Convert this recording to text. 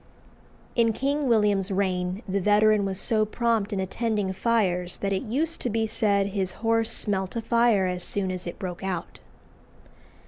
In King William's reign the veteran was so prompt in attending fires that it used to be said his horse smelt a fire as soon as it broke out.